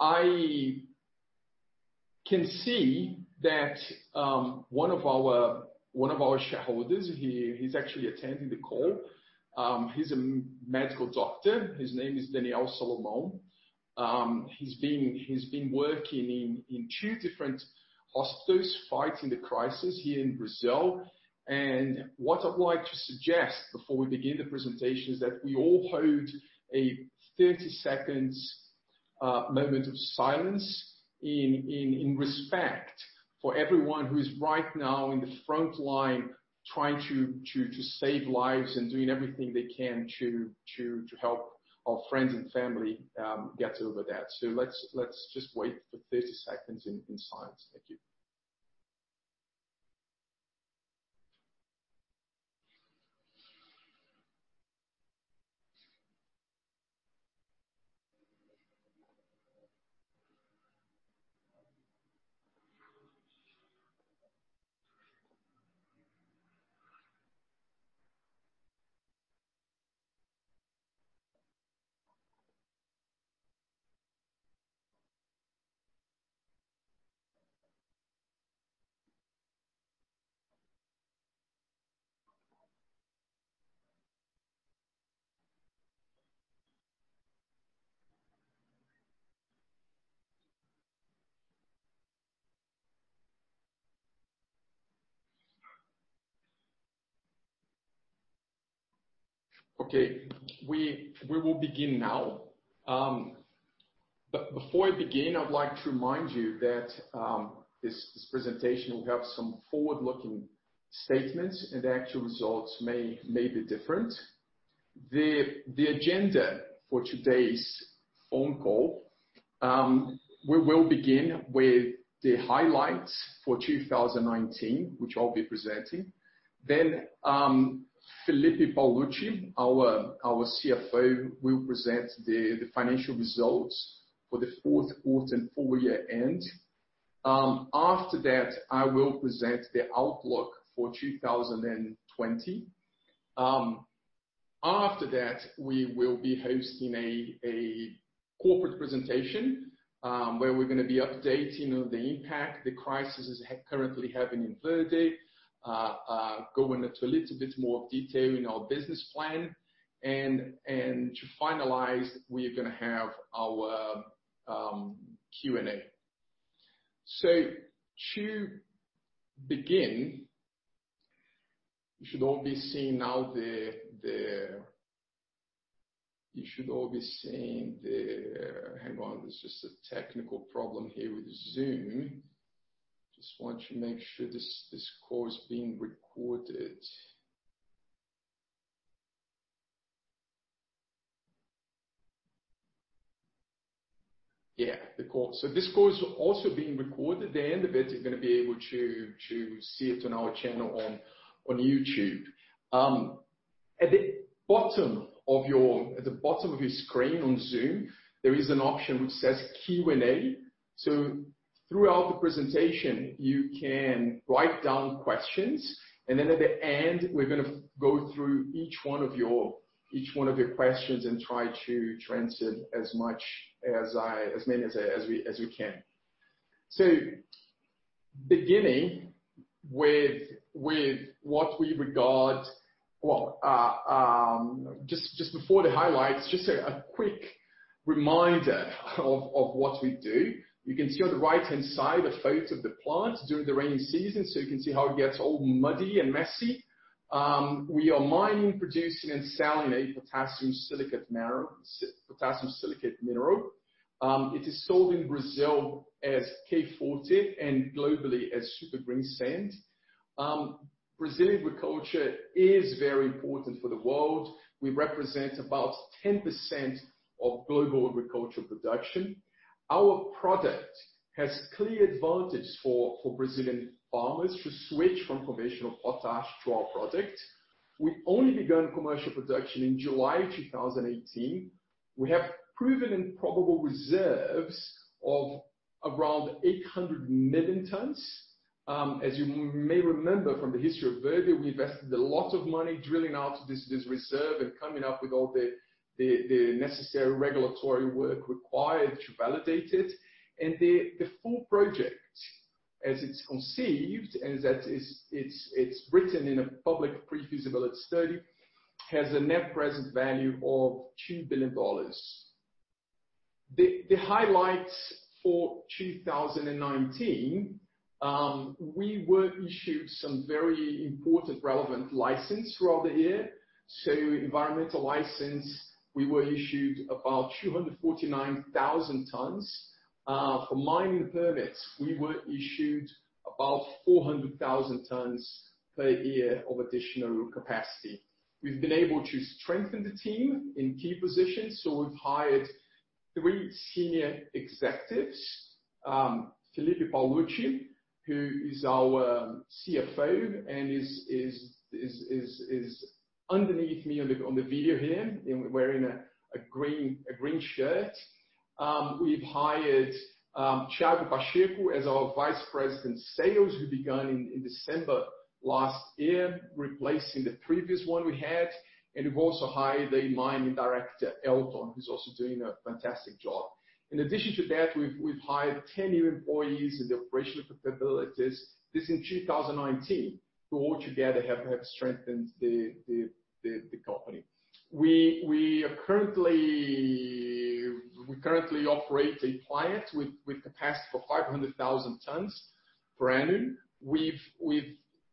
I can see that one of our shareholders, he's actually attending the call. He's a medical doctor. His name is Daniel Solomon. He's been working in two different hospitals fighting the crisis here in Brazil. What I'd like to suggest before we begin the presentation is that we all hold a 30 seconds moment of silence in respect for everyone who is right now in the front line, trying to save lives and doing everything they can to help our friends and family get over that. Let's just wait for 30 seconds in silence. Thank you. Okay. We will begin now. Before I begin, I would like to remind you that this presentation will have some forward-looking statements and actual results may be different. The agenda for today's phone call, we will begin with the highlights for 2019, which I'll be presenting. Felipe Paolucci, our CFO, will present the financial results for the fourth quarter and full year end. After that, I will present the outlook for 2020. After that, we will be hosting a corporate presentation, where we're going to be updating on the impact the crisis is currently having in Verde, go into a little bit more detail in our business plan. To finalize, we are going to have our Q&A. To begin, you should all be seeing now. Hang on. There's just a technical problem here with Zoom. I just want to make sure this call is being recorded. Yeah. This call is also being recorded. At the end of it, you're going to be able to see it on our channel on YouTube. At the bottom of your screen on Zoom, there is an option which says Q&A. Throughout the presentation, you can write down questions, and then at the end, we're going to go through each one of your questions and try to translate as many as we can. Well, just before the highlights, just a quick reminder of what we do. You can see on the right-hand side a photo of the plant during the rainy season, so you can see how it gets all muddy and messy. We are mining, producing, and selling a potassium silicate mineral. It is sold in Brazil as K Forte and globally as Super Greensand. Brazilian agriculture is very important for the world. We represent about 10% of global agricultural production. Our product has clear advantage for Brazilian farmers to switch from conventional potash to our product. We only began commercial production in July 2018. We have proven and probable reserves of around 800 million tons. As you may remember from the history of Verde, we invested a lot of money drilling out this reserve and coming up with all the necessary regulatory work required to validate it. The full project, as it's conceived, and that it's written in a public pre-feasibility study, has a net present value of $2 billion. The highlights for 2019, we were issued some very important relevant license throughout the year. Environmental license, we were issued about 249,000 tons. For mining permits, we were issued about 400,000 tons per year of additional capacity. We've been able to strengthen the team in key positions. We've hired three senior executives. Felipe Paolucci, who is our CFO and is underneath me on the video here, wearing a green shirt. We've hired Thiago Pacheco as our Vice President Sales, who begun in December last year, replacing the previous one we had. We've also hired a Mining Director, Elton, who's also doing a fantastic job. In addition to that, we've hired 10 new employees in the operational capabilities, this in 2019, who altogether have strengthened the company. We currently operate a plant with capacity for 500,000 tons per annum. We've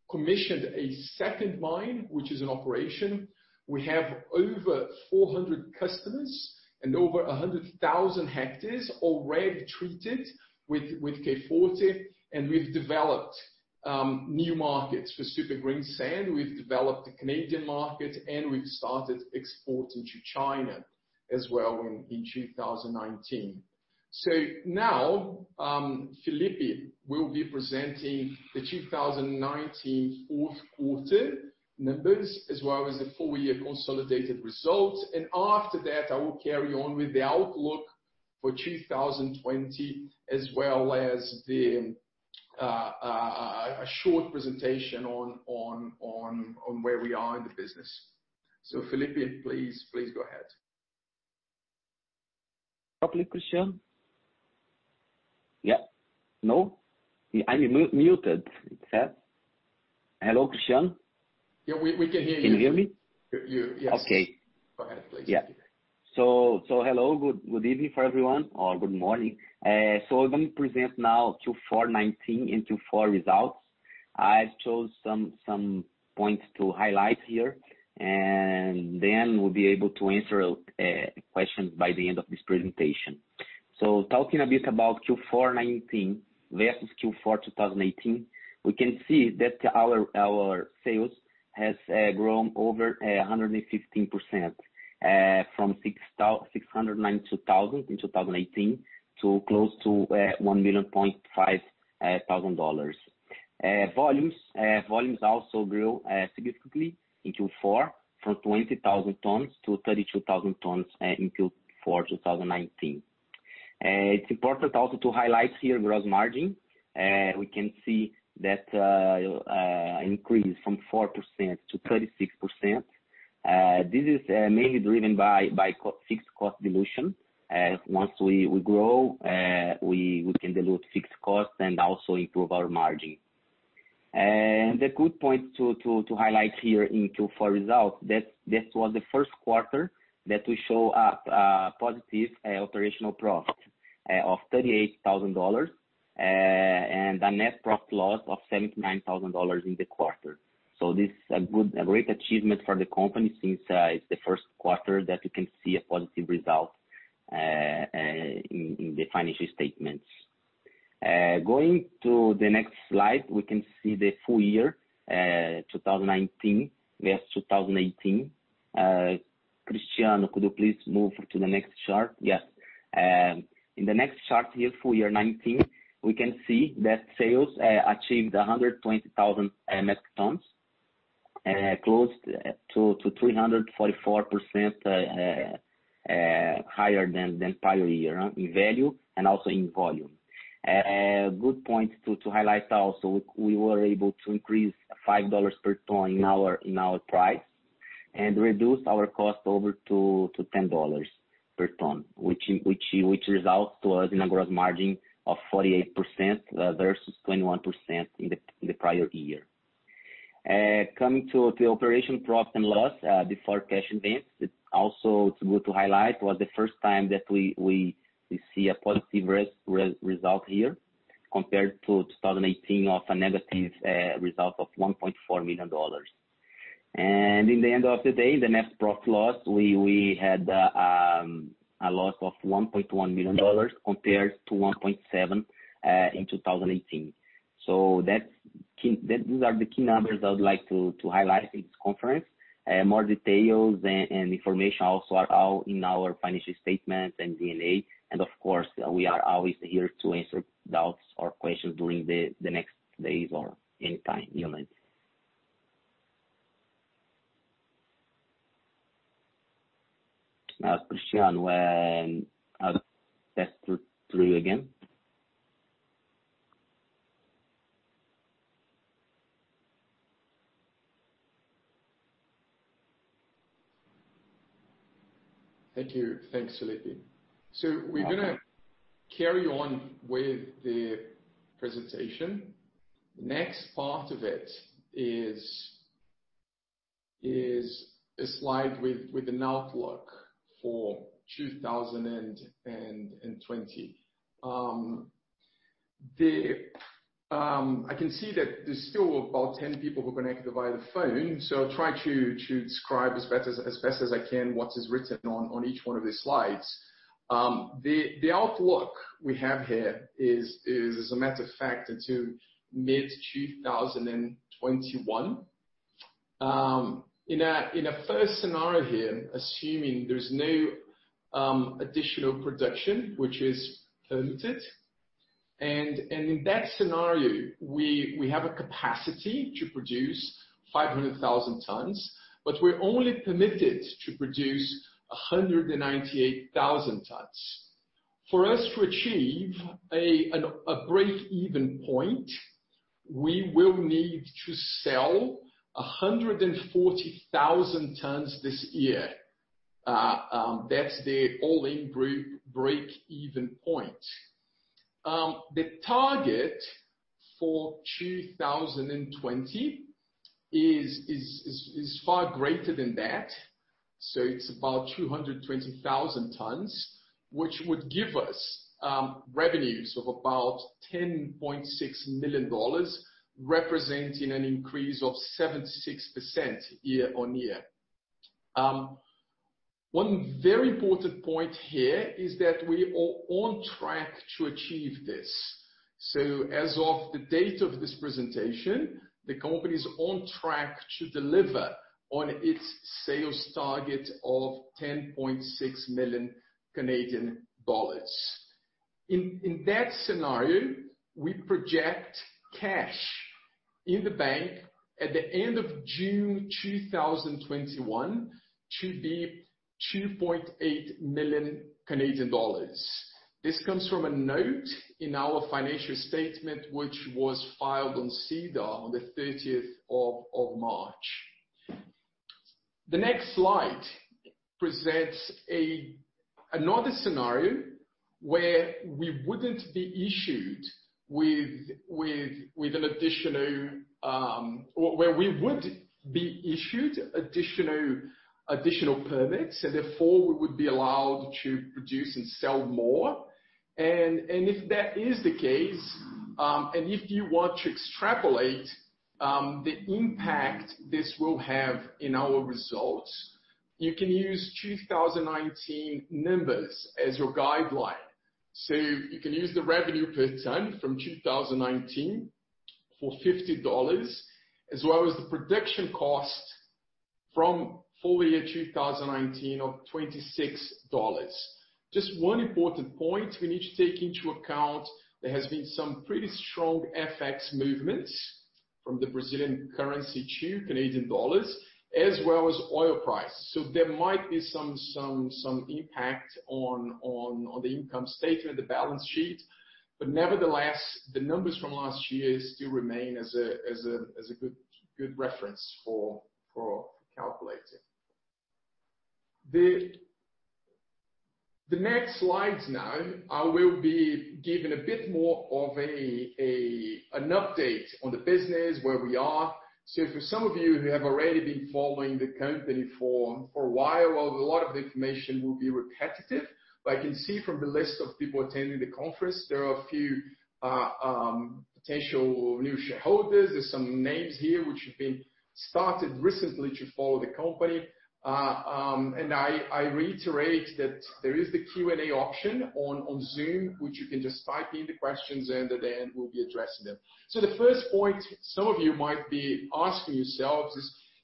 commissioned a second mine, which is in operation. We have over 400 customers and over 100,000 hectares already treated with K Forte, and we've developed new markets for Super Greensand. We've developed the Canadian market, and we've started exporting to China as well in 2019. Now, Felipe will be presenting the 2019 fourth quarter numbers as well as the full-year consolidated results. After that, I will carry on with the outlook for 2020 as well as a short presentation on where we are in the business. Felipe, please go ahead. Okay, Cristiano. Yeah. No? I'm muted. Hello, Cristiano? Yeah, we can hear you. Can you hear me? You, yes. Okay. Go ahead, please. Hello. Good evening for everyone, or good morning. I'm going to present now Q4 2019 and Q4 results. I've chosen some points to highlight here, and we'll be able to answer questions by the end of this presentation. Talking a bit about Q4 2019 versus Q4 2018, we can see that our sales have grown over 115%, from 692,000 in 2018 to close to 1.5 million. Volumes also grew significantly in Q4, from 20,000 tons to 32,000 tons in Q4 2019. It's important also to highlight here gross margin. We can see that increase from 4%-36%. This is mainly driven by fixed cost dilution. Once we grow, we can dilute fixed costs and also improve our margin. The good point to highlight here in Q4 results, that this was the first quarter that we show a positive operational profit of 38,000 dollars, and a net profit loss of 79,000 dollars in the quarter. This is a great achievement for the company since it's the first quarter that we can see a positive result in the financial statements. Going to the next slide, we can see the full year 2019 versus 2018. Cristiano, could you please move to the next chart? Yes. In the next chart here, full year 2019, we can see that sales achieved 120,000 metric tons, close to 344% higher than prior year in value and also in volume. A good point to highlight also, we were able to increase 5 dollars per ton in our price and reduce our cost over to 10 dollars per ton, which results to us in a gross margin of 48% versus 21% in the prior year. Coming to the operation profit and loss before cash events, it's also good to highlight was the first time that we see a positive result here compared to 2018 of a negative result of 1.4 million dollars. In the end of the day, the net profit loss, we had a loss of 1.1 million dollars compared to 1.7 in 2018. These are the key numbers I would like to highlight in this conference. More details and information also are out in our financial statements and MD&A. Of course, we are always here to answer doubts or questions during the next days or any time you like. Cristiano, I'll pass through to you again. Thank you. Thanks, Felipe. We're going to carry on with the presentation. Next part of it is a slide with an outlook for 2020. I can see that there's still about 10 people who connected via the phone. I'll try to describe as best as I can what is written on each one of the slides. The outlook we have here is, as a matter of fact, into mid 2021. In a first scenario here, assuming there's no additional production which is permitted. In that scenario, we have a capacity to produce 500,000 tons, but we're only permitted to produce 198,000 tons. For us to achieve a breakeven point, we will need to sell 140,000 tons this year. That's the all-in breakeven point. The target for 2020 is far greater than that. It's about 220,000 tons, which would give us revenues of about 10.6 million dollars, representing an increase of 76% year-on-year. One very important point here is that we are on track to achieve this. As of the date of this presentation, the company is on track to deliver on its sales target of 10.6 million Canadian dollars. In that scenario, we project cash in the bank at the end of June 2021 to be 2.8 million Canadian dollars. This comes from a note in our financial statement, which was filed on SEDAR on the 30th of March. The next slide presents another scenario where we would be issued additional permits, and therefore we would be allowed to produce and sell more. If that is the case, and if you want to extrapolate the impact this will have in our results, you can use 2019 numbers as your guideline. You can use the revenue per ton from 2019 for 50 dollars, as well as the production cost from full year 2019 of 26 dollars. Just one important point we need to take into account, there has been some pretty strong FX movements from the Brazilian currency to Canadian dollars, as well as oil price. There might be some impact on the income statement, the balance sheet. Nevertheless, the numbers from last year still remain as a good reference for calculating. The next slides now, I will be giving a bit more of an update on the business, where we are. For some of you who have already been following the company for a while, a lot of the information will be repetitive. I can see from the list of people attending the conference there are a few potential new shareholders. There's some names here which have been started recently to follow the company. I reiterate that there is the Q&A option on Zoom, which you can just type in the questions and at end we'll be addressing them. The first point some of you might be asking yourselves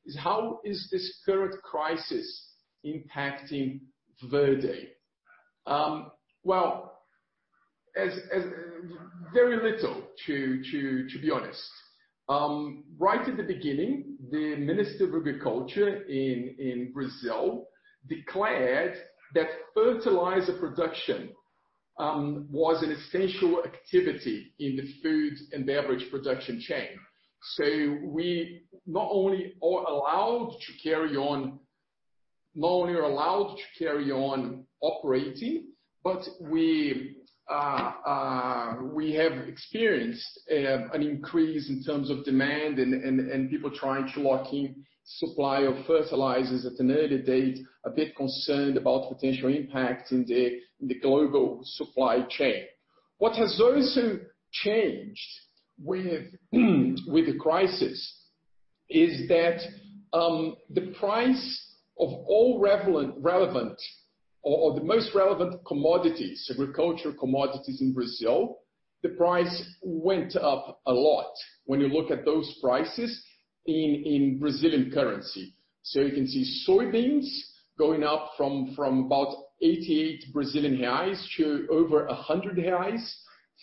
is how is this current crisis impacting Verde? Very little, to be honest. Right at the beginning, the Minister of Agriculture in Brazil declared that fertilizer production was an essential activity in the food and beverage production chain. We not only are allowed to carry on operating, but we have experienced an increase in terms of demand and people trying to lock in supply of fertilizers at an earlier date, a bit concerned about potential impact in the global supply chain. What has also changed with the crisis is that the price of all relevant or the most relevant commodities, agricultural commodities in Brazil, the price went up a lot when you look at those prices in Brazilian currency. You can see soybeans going up from about 88 Brazilian reais to over 100 reais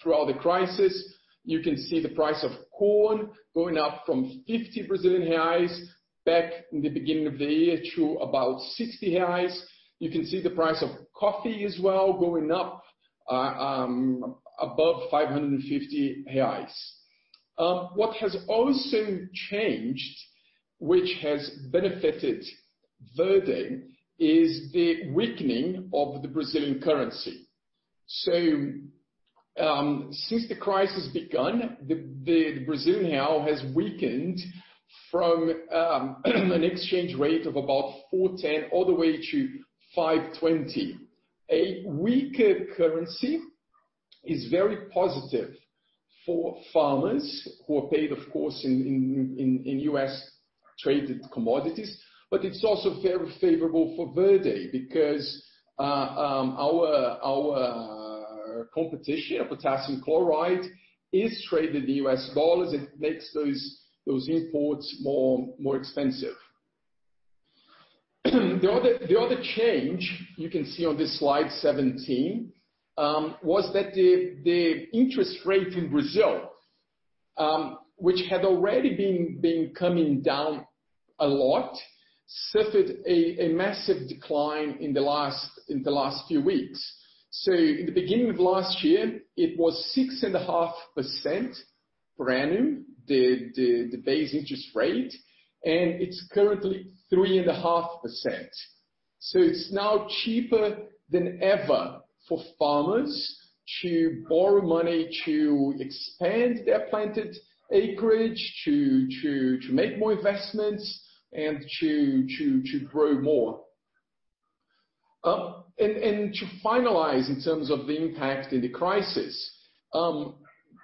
throughout the crisis. You can see the price of corn going up from 50 Brazilian reais back in the beginning of the year to about 60 reais. You can see the price of coffee as well, going up above 550 reais. What has also changed, which has benefited Verde, is the weakening of the Brazilian currency. Since the crisis begun, the Brazilian real has weakened from an exchange rate of about 4.10 all the way to 5.20. A weaker currency is very positive for farmers who are paid, of course, in U.S. traded commodities. It's also very favorable for Verde because our competition, potassium chloride, is traded in U.S. dollars. It makes those imports more expensive. The other change you can see on this slide 17, was that the interest rate in Brazil, which had already been coming down a lot, suffered a massive decline in the last few weeks. In the beginning of last year, it was 6.5% brand new, the base interest rate, and it's currently 3.5%. It's now cheaper than ever for farmers to borrow money to expand their planted acreage, to make more investments and to grow more. To finalize in terms of the impact in the crisis,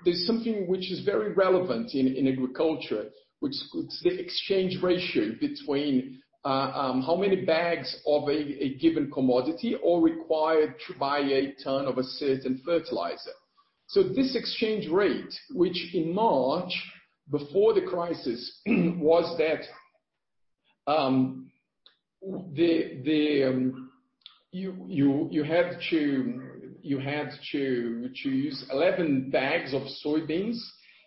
there's something which is very relevant in agriculture, which is the exchange ratio between how many bags of a given commodity are required to buy a ton of a certain fertilizer. This exchange rate, which in March, before the crisis, was that you had to use 11 bags of soybeans,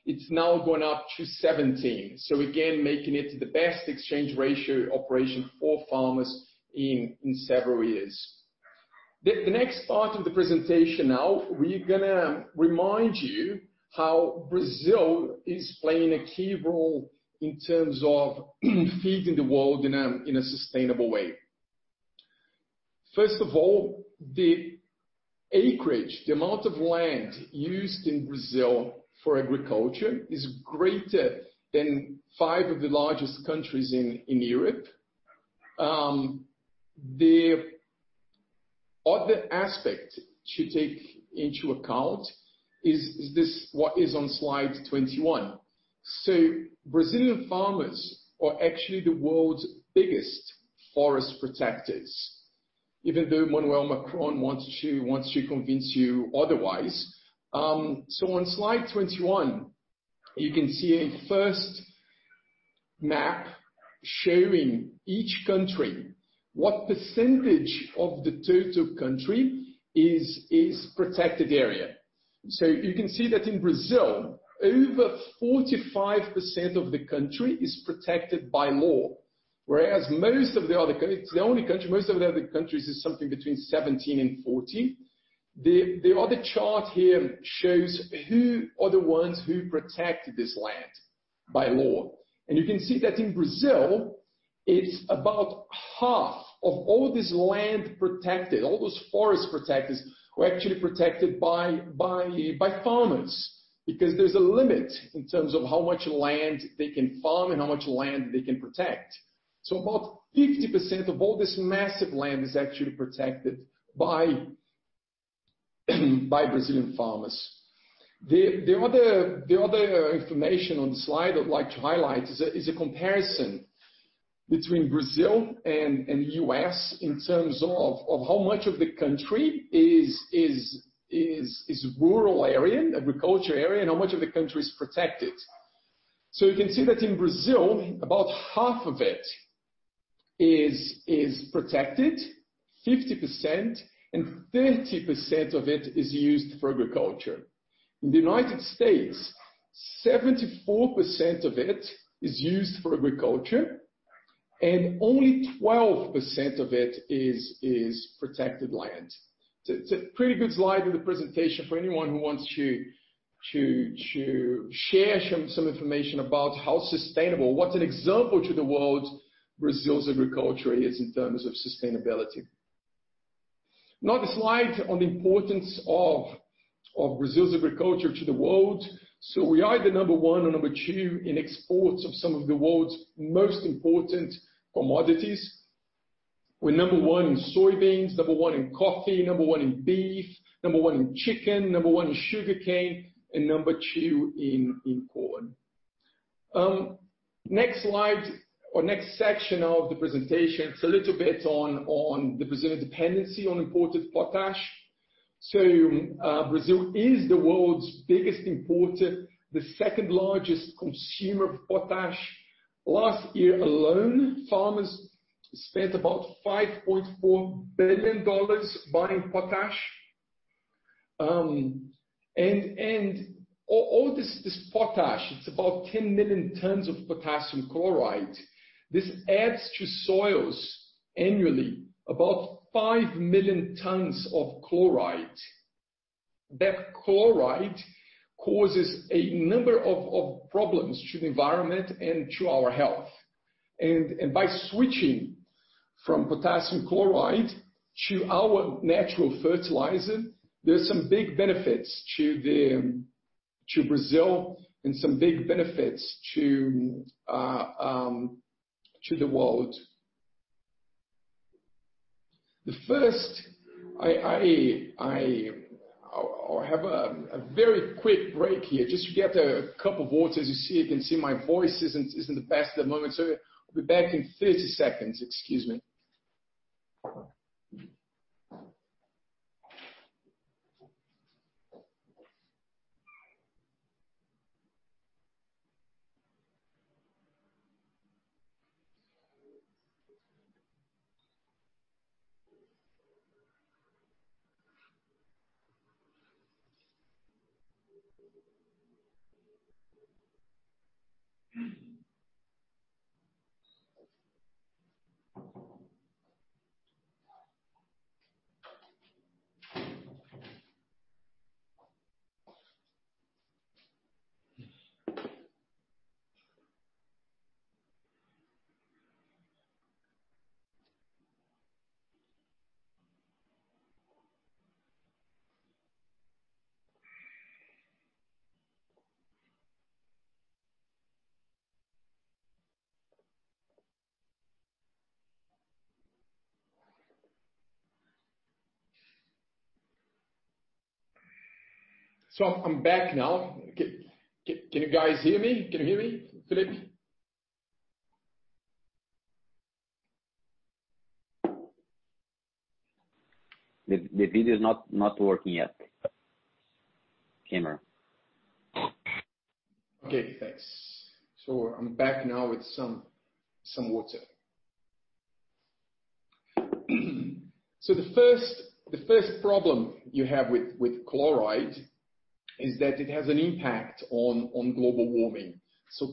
it's now gone up to 17. Again, making it the best exchange ratio operation for farmers in several years. The next part of the presentation now, we're going to remind you how Brazil is playing a key role in terms of feeding the world in a sustainable way. First of all, the acreage, the amount of land used in Brazil for agriculture is greater than five of the largest countries in Europe. The other aspect to take into account is this, what is on slide 21. Brazilian farmers are actually the world's biggest forest protectors, even though Emmanuel Macron wants to convince you otherwise. On slide 21, you can see a first map showing each country, what percentage of the total country is protected area. You can see that in Brazil, over 45% of the country is protected by law. Whereas most of the other countries is something between 17 and 14. The other chart here shows who are the ones who protect this land by law. You can see that in Brazil, it's about half of all this land protected, all those forest protectors were actually protected by farmers, because there's a limit in terms of how much land they can farm and how much land they can protect. About 50% of all this massive land is actually protected by Brazilian farmers. The other information on the slide I'd like to highlight is a comparison between Brazil and U.S. in terms of how much of the country is rural area, agriculture area, and how much of the country is protected. You can see that in Brazil, about half of it is protected, 50%, and 30% of it is used for agriculture. In the United States, 74% of it is used for agriculture and only 12% of it is protected land. It's a pretty good slide in the presentation for anyone who wants to share some information about how sustainable, what an example to the world Brazil's agriculture is in terms of sustainability. The slide on the importance of Brazil's agriculture to the world. We are either number one or number two in exports of some of the world's most important commodities. We're number one in soybeans, number one in coffee, number one in beef, number one in chicken, number one in sugarcane, and number two in corn. Next slide or next section of the presentation, it's a little bit on the Brazilian dependency on imported potash. Brazil is the world's biggest importer, the second largest consumer of potash. Last year alone, farmers spent about $5.4 billion buying potash. All this potash, it's about 10 million tons of potassium chloride, this adds to soils annually about 5 million tons of chloride. That chloride causes a number of problems to the environment and to our health. By switching from potassium chloride to our natural fertilizer, there's some big benefits to Brazil and some big benefits to the world. I have a very quick break here just to get a cup of water. As you can see, my voice isn't the best at the moment. I'll be back in 30 seconds. Excuse me. I'm back now. Can you guys hear me? Can you hear me, Felipe? The video's not working yet. Camera. Okay, thanks. I'm back now with some water. The first problem you have with chloride is that it has an impact on global warming.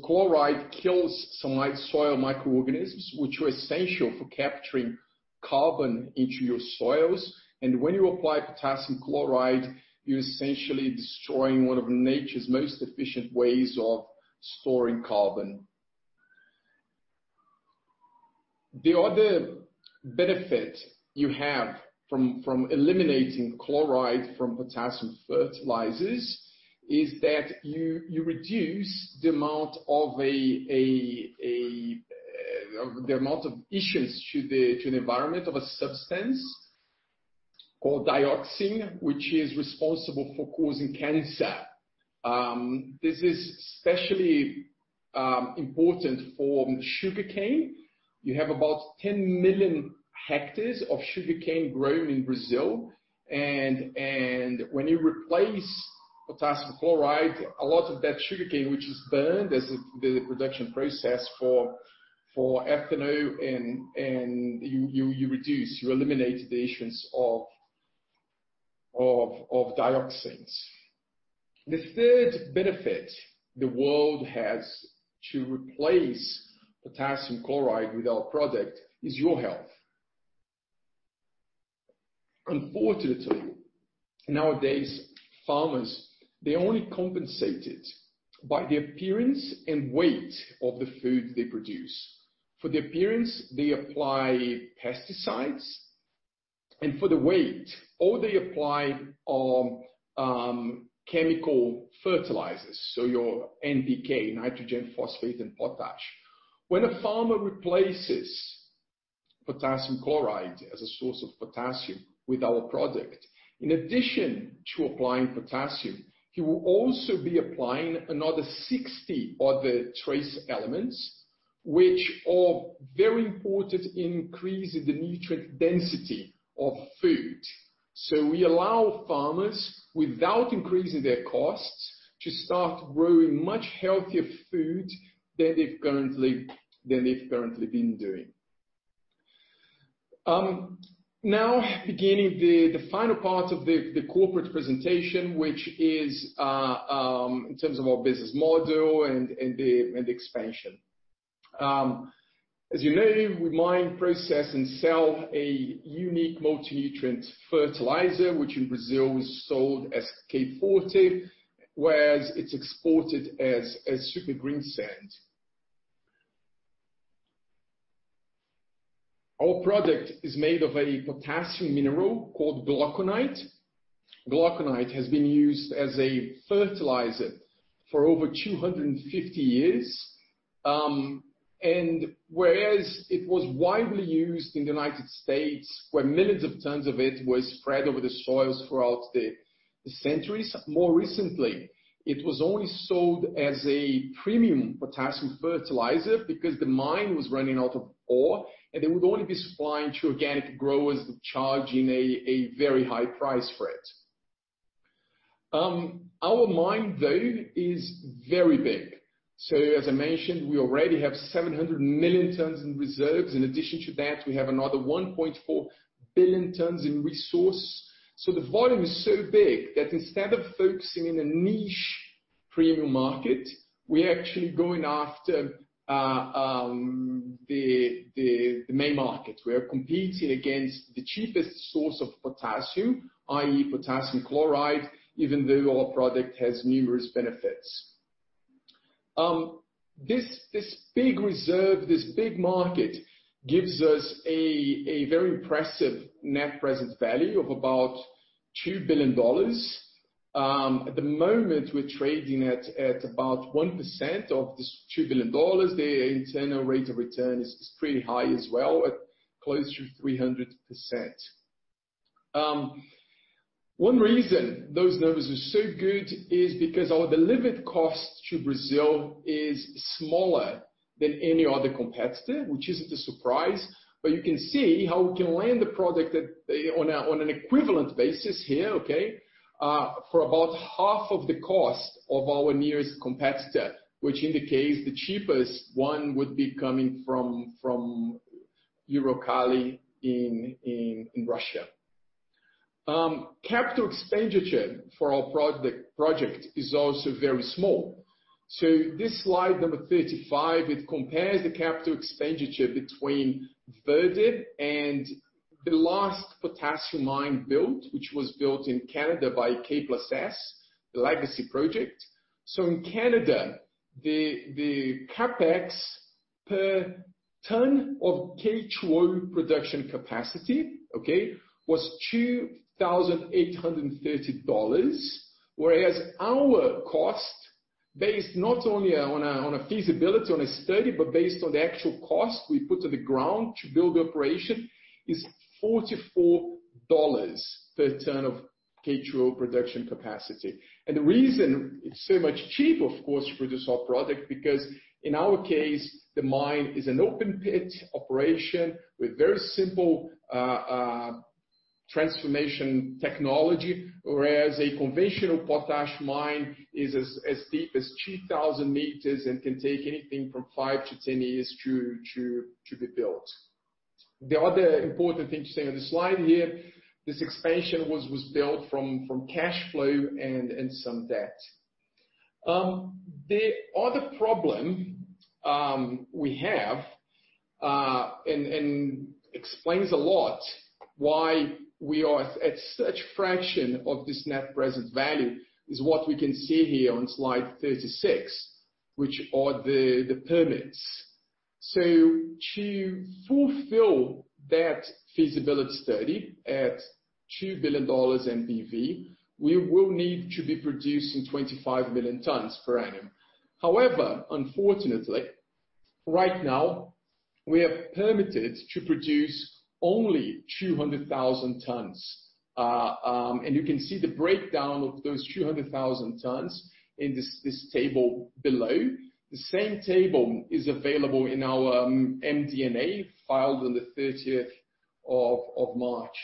Chloride kills some soil microorganisms, which are essential for capturing carbon into your soils, and when you apply potassium chloride, you're essentially destroying one of nature's most efficient ways of storing carbon. The other benefit you have from eliminating chloride from potassium fertilizers is that you reduce the amount of issues to the environment of a substance called dioxin, which is responsible for causing cancer. This is especially important for sugarcane. You have about 10 million hectares of sugarcane grown in Brazil, and when you replace potassium chloride, a lot of that sugarcane, which is burned as the production process for ethanol, and you eliminate the issuance of dioxins. The third benefit the world has to replace potassium chloride with our product is your health. Unfortunately, nowadays, farmers, they're only compensated by the appearance and weight of the food they produce. For the appearance, they apply pesticides. For the weight, all they apply are chemical fertilizers, your NPK, nitrogen, phosphate, and potash. When a farmer replaces potassium chloride as a source of potassium with our product, in addition to applying potassium, he will also be applying another 60 other trace elements, which are very important in increasing the nutrient density of food. We allow farmers, without increasing their costs, to start growing much healthier food than they've currently been doing. Beginning the final part of the corporate presentation, which is in terms of our business model and the expansion. As you know, we mine, process, and sell a unique multi-nutrient fertilizer, which in Brazil is sold as K Forte, whereas it's exported as Super Greensand. Our product is made of a potassium mineral called glauconite. Glauconite has been used as a fertilizer for over 250 years. Whereas it was widely used in the U.S., where millions of tons of it were spread over the soils throughout the centuries, more recently, it was only sold as a premium potassium fertilizer because the mine was running out of ore, and they would only be supplying to organic growers charging a very high price for it. Our mine, though, is very big. As I mentioned, we already have 700 million tons in reserves. In addition to that, we have another 1.4 billion tons in resource. The volume is so big that instead of focusing in a niche premium market, we're actually going after the main market. We are competing against the cheapest source of potassium, i.e., potassium chloride, even though our product has numerous benefits. This big reserve, this big market, gives us a very impressive net present value of about $2 billion. At the moment, we're trading at about 1% of this $2 billion. The internal rate of return is pretty high as well, at close to 300%. One reason those numbers are so good is because our delivered cost to Brazil is smaller than any other competitor, which isn't a surprise. You can see how we can land the product on an equivalent basis here, okay? For about half of the cost of our nearest competitor, which indicates the cheapest one would be coming from Uralkali in Russia. Capital expenditure for our project is also very small. This slide number 35, it compares the capital expenditure between Verde and the last potassium mine built, which was built in Canada by K+S, the Legacy Project. In Canada, the CapEx per ton of K₂O production capacity was 2,830 dollars. Whereas our cost, based not only on a feasibility, on a study, but based on the actual cost we put on the ground to build the operation, is 44 dollars per ton of K₂O production capacity. The reason it's so much cheap, of course, to produce our product, because in our case, the mine is an open pit operation with very simple transformation technology. Whereas a conventional potash mine is as deep as 2,000 meters and can take anything from five to 10 years to be built. The other important thing to say on this slide here, this expansion was built from cash flow and some debt. The other problem we have, explains a lot why we are at such fraction of this net present value is what we can see here on slide 36, which are the permits. To fulfill that feasibility study at $2 billion NPV, we will need to be producing 25 million tons per annum. Unfortunately, right now we are permitted to produce only 200,000 tons. You can see the breakdown of those 200,000 tons in this table below. The same table is available in our MD&A filed on the 30th of March.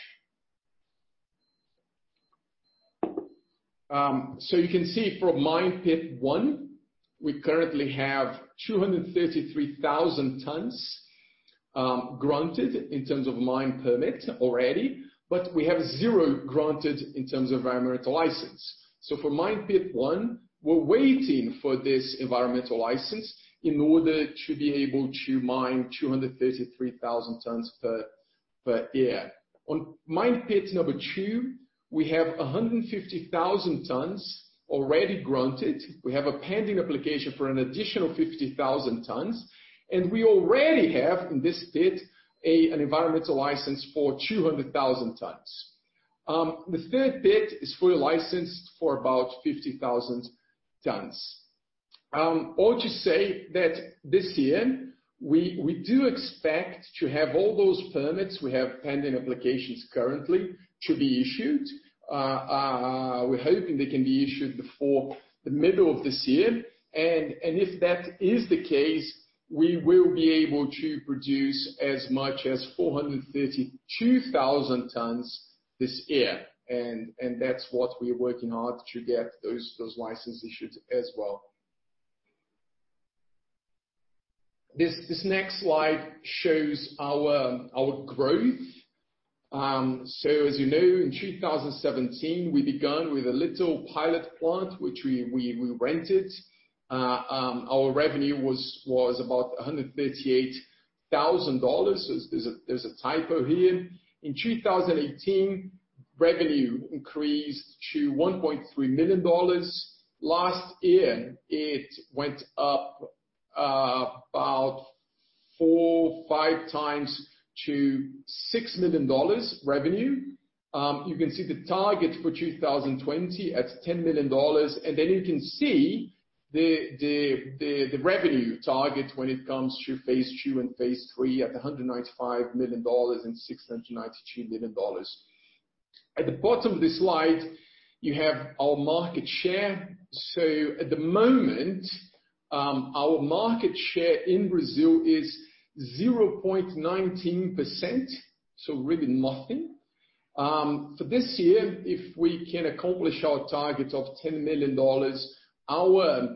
You can see from mine pit one, we currently have 233,000 tons granted in terms of mine permit already, but we have zero granted in terms of environmental license. For mine pit one, we're waiting for this environmental license in order to be able to mine 233,000 tons per year. On mine pit number two, we have 150,000 tons already granted. We have a pending application for an additional 50,000 tons, and we already have, in this pit, an environmental license for 200,000 tons. The third pit is fully licensed for about 50,000 tons. All to say that this year, we do expect to have all those permits, we have pending applications currently to be issued. We're hoping they can be issued before the middle of this year. If that is the case, we will be able to produce as much as 432,000 tons this year. That's what we're working on to get those licenses issued as well. This next slide shows our growth. As you know, in 2017, we began with a little pilot plant, which we rented. Our revenue was about 138,000 dollars. In 2018, revenue increased to 1.3 million dollars. Last year it went up about four, five times to 6 million dollars revenue. You can see the target for 2020 at 10 million dollars. Then you can see the revenue target when it comes to phase II and phase III at 195 million dollars and 692 million dollars. At the bottom of the slide, you have our market share. At the moment, our market share in Brazil is 0.19%, so really nothing. For this year, if we can accomplish our target of 10 million dollars, our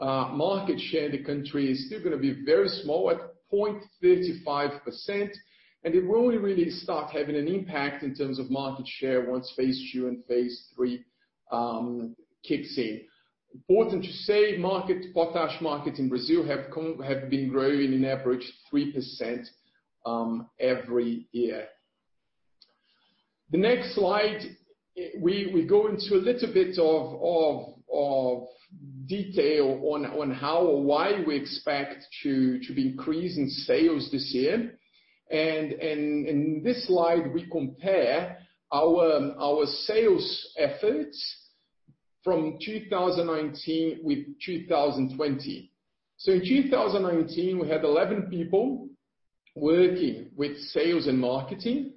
market share in the country is still going to be very small at 0.35%. It will only really start having an impact in terms of market share once phase II and phase III kicks in. Important to say, potash market in Brazil have been growing an average 3% every year. The next slide, we go into a little bit of detail on how or why we expect to be increasing sales this year. In this slide, we compare our sales efforts from 2019 with 2020. In 2019, we had 11 people working with sales and marketing.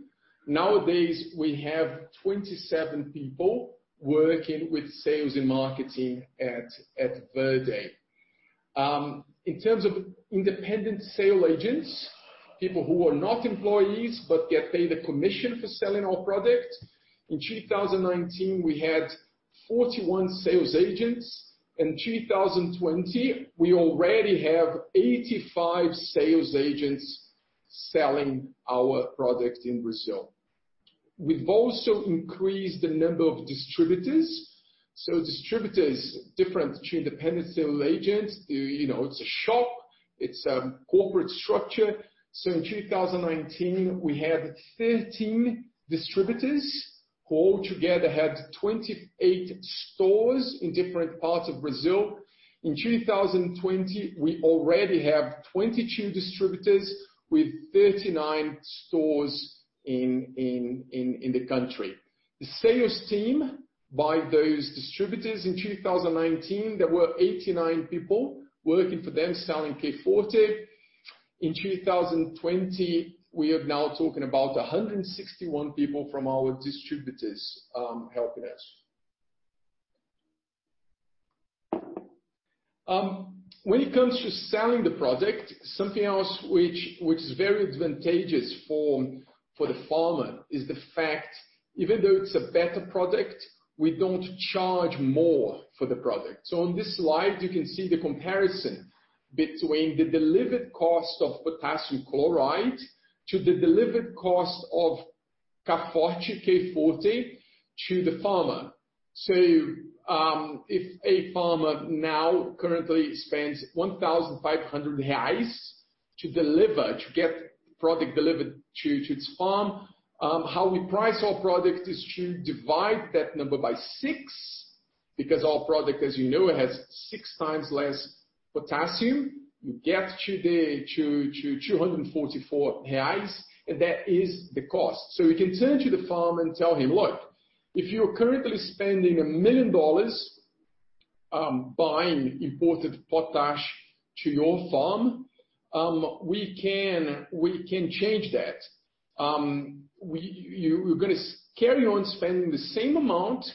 Nowadays, we have 27 people working with sales and marketing at Verde. In terms of independent sales agents, people who are not employees but get paid a commission for selling our product. In 2019, we had 41 sales agents. In 2020, we already have 85 sales agents selling our product in Brazil. We've also increased the number of distributors. Distributors, different to independent sales agents, it's a shop, it's a corporate structure. In 2019, we had 13 distributors who all together had 28 stores in different parts of Brazil. In 2020, we already have 22 distributors with 39 stores in the country. The sales team, by those distributors in 2019, there were 89 people working for them selling K Forte. In 2020, we are now talking about 161 people from our distributors helping us. When it comes to selling the product, something else which is very advantageous for the farmer is the fact, even though it's a better product, we don't charge more for the product. On this slide, you can see the comparison between the delivered cost of potassium chloride to the delivered cost of K Forte to the farmer. If a farmer now currently spends 1,500 reais to get product delivered to its farm, how we price our product is to divide that number by six, because our product, as you know, has six times less potassium. You get to 244 reais, and that is the cost. We can turn to the farm and tell him, "Look, if you are currently spending $1 million buying imported potash to your farm, we can change that. You're going to carry on spending the same amount,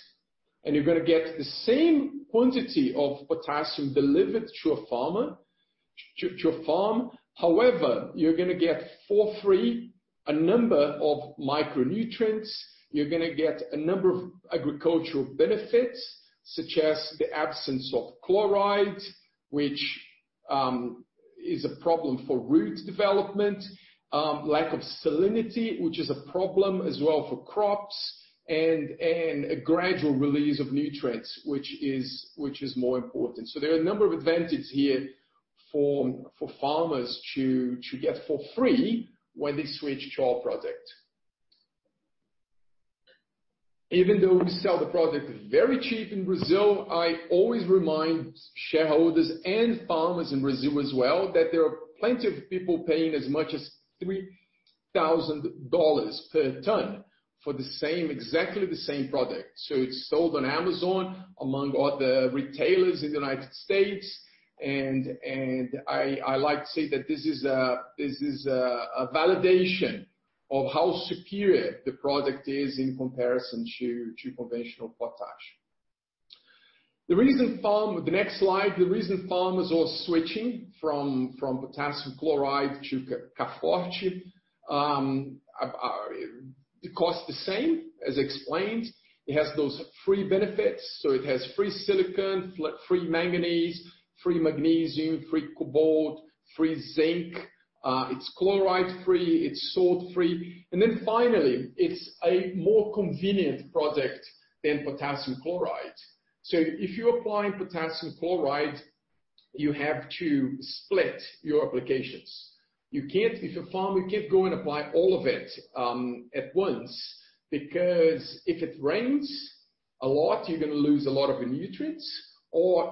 and you're going to get the same quantity of potassium delivered to your farm. However, you're going to get for free a number of micronutrients. You're going to get a number of agricultural benefits, such as the absence of chloride, which is a problem for root development. Lack of salinity, which is a problem as well for crops, and a gradual release of nutrients, which is more important. There are a number of advantages here for farmers to get for free when they switch to our product. Even though we sell the product very cheap in Brazil, I always remind shareholders and farmers in Brazil as well that there are plenty of people paying as much as $3,000 per ton for exactly the same product. It's sold on Amazon, among other retailers in the United States, and I like to say that this is a validation of how superior the product is in comparison to conventional potash. The next slide. The reason farmers are switching from potassium chloride to K Forte. It costs the same, as explained. It has those free benefits. It has free silicon, free manganese, free magnesium, free cobalt, free zinc. It's chloride-free, it's salt-free. Finally, it's a more convenient product than potassium chloride. If you're applying potassium chloride, you have to split your applications. If a farmer can't go and apply all of it at once, because if it rains a lot, you're going to lose a lot of your nutrients.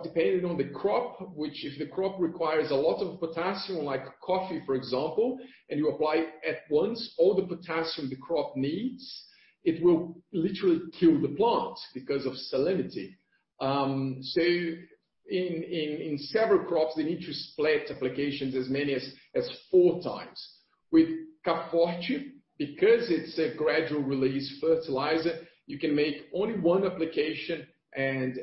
Depending on the crop, which if the crop requires a lot of potassium, like coffee, for example, and you apply at once all the potassium the crop needs, it will literally kill the plant because of salinity. In several crops, they need to split applications as many as four times. With K Forte, because it's a gradual release fertilizer, you can make only one application and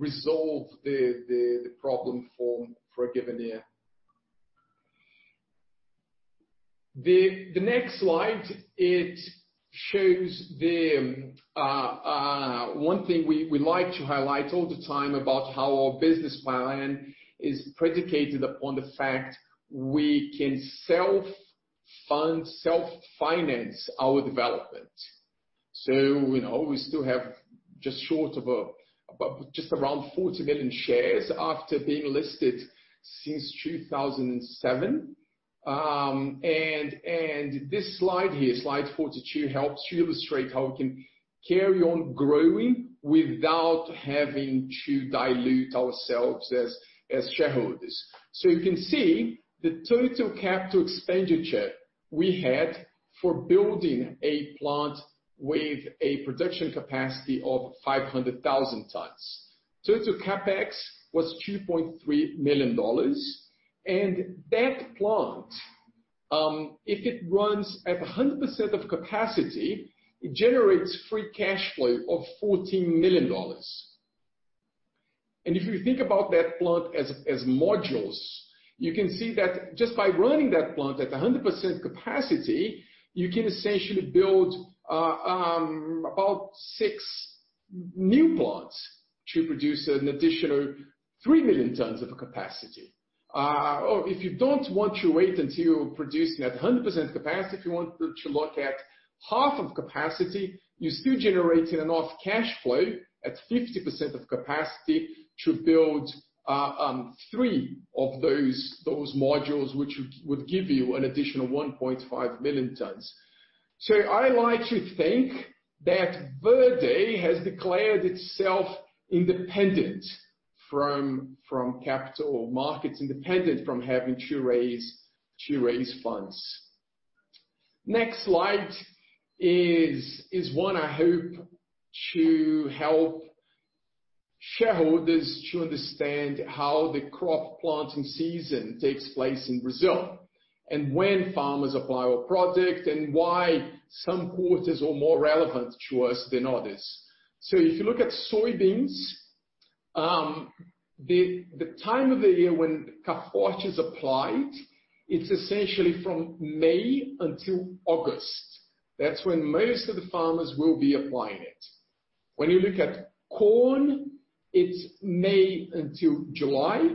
resolve the problem for a given year. The next slide, it shows one thing we like to highlight all the time about how our business plan is predicated upon the fact we can self-fund, self-finance our development. We still have just around 40 million shares after being listed since 2007. This slide here, slide 42, helps to illustrate how we can carry on growing without having to dilute ourselves as shareholders. You can see the total capital expenditure we had for building a plant with a production capacity of 500,000 tons. The CapEx was 2.3 million dollars. That plant, if it runs at 100% of capacity, it generates free cash flow of 14 million dollars. If you think about that plant as modules, you can see that just by running that plant at 100% capacity, you can essentially build about six new plants to produce an additional 3 million tons of capacity. If you don't want to wait until you're producing at 100% capacity, if you want to look at half of capacity, you're still generating enough cash flow at 50% of capacity to build three of those modules, which would give you an additional 1.5 million tons. I like to think that Verde has declared itself independent from capital markets, independent from having to raise funds. Next slide is one I hope to help shareholders to understand how the crop planting season takes place in Brazil, and when farmers apply our product, and why some quarters are more relevant to us than others. If you look at soybeans, the time of the year when K Forte is applied, it's essentially from May until August. That's when most of the farmers will be applying it. When you look at corn, it's May until July.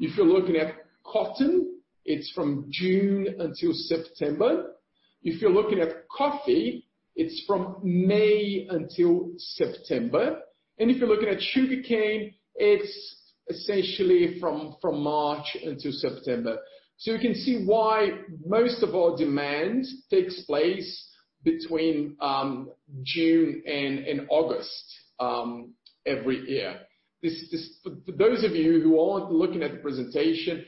If you're looking at cotton, it's from June until September. If you're looking at coffee, it's from May until September. If you're looking at sugarcane, it's essentially from March until September. You can see why most of our demand takes place between June and August every year. For those of you who aren't looking at the presentation,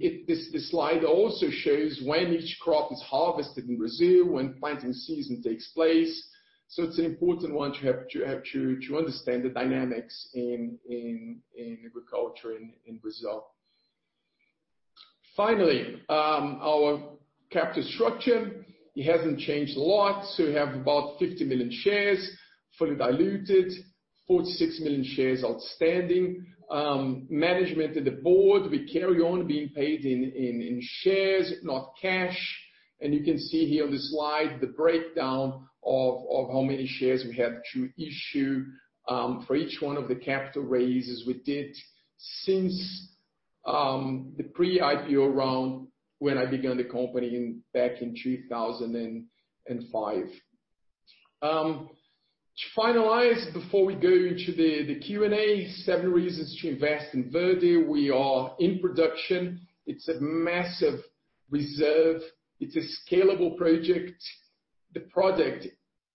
this slide also shows when each crop is harvested in Brazil, when planting season takes place. It's an important one to have to understand the dynamics in agriculture in Brazil. Finally, our capital structure. It hasn't changed a lot. We have about 50 million shares, fully diluted, 46 million shares outstanding. Management of the board, we carry on being paid in shares, not cash. You can see here on the slide, the breakdown of how many shares we have to issue for each one of the capital raises we did since the pre-IPO round when I began the company back in 2005. To finalize, before we go into the Q&A, several reasons to invest in Verde. We are in production. It's a massive reserve. It's a scalable project. The product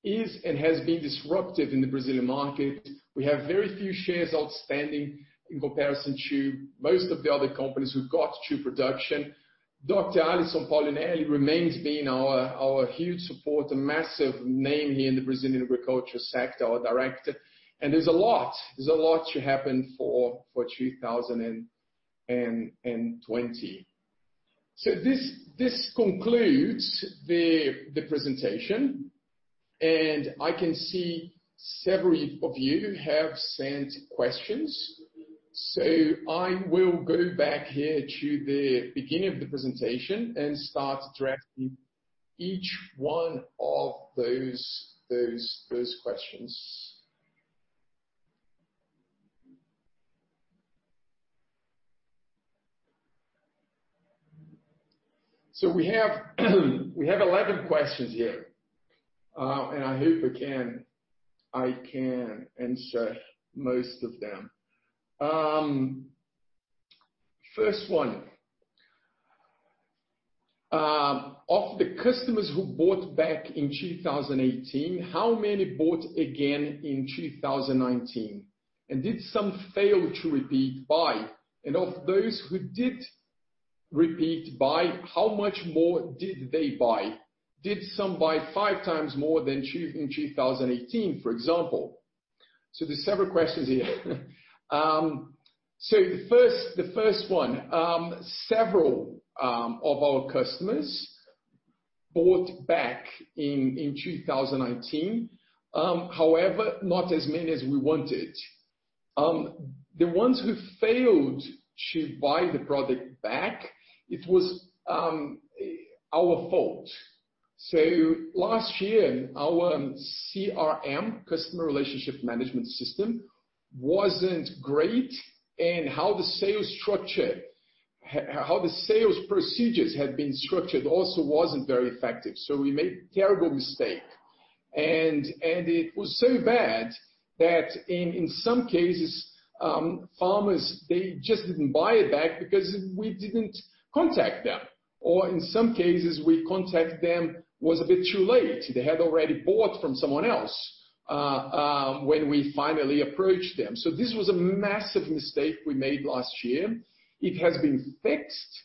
is, and has been disruptive in the Brazilian market. We have very few shares outstanding in comparison to most of the other companies who got to production. Dr. Alysson Paolinelli remains being our huge support, a massive name here in the Brazilian agriculture sector, our Director. There's a lot to happen for 2020. This concludes the presentation. I can see several of you have sent questions. I will go back here to the beginning of the presentation and start addressing each one of those questions. We have 11 questions here. I hope I can answer most of them. First one, of the customers who bought back in 2018, how many bought again in 2019? Did some fail to repeat buy? Of those who did repeat buy, how much more did they buy? Did some buy five times more than in 2018, for example? There's several questions here. The first one, several of our customers bought back in 2019. However, not as many as we wanted. The ones who failed to buy the product back, it was our fault. Last year, our CRM, customer relationship management system, wasn't great, and how the sales procedures had been structured also wasn't very effective. We made a terrible mistake. It was so bad that in some cases, farmers just didn't buy it back because we didn't contact them. In some cases, we contacted them, it was a bit too late. They had already bought from someone else when we finally approached them. This was a massive mistake we made last year. It has been fixed.